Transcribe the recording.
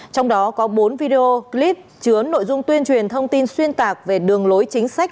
trong đó có bốn video clip chứa nội dung tuyên truyền thông tin xuyên tạc về đường lối chính sách